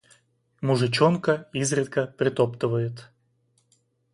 Мужичонка изредка притоптывает.